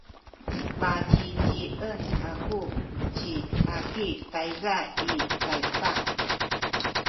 pacicien aku ci Aki tayza i Taypak.